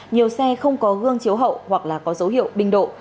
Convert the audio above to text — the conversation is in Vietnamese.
nhiều xe không có gương chiếu hậu hoặc là có dấu hiệu binh độ